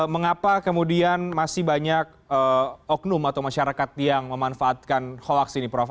mengapa kemudian masih banyak oknum atau masyarakat yang memanfaatkan hoax ini prof